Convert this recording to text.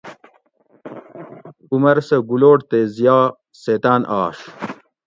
عمر سۤہ گُلوٹ تے ضیأ سیتاۤن آش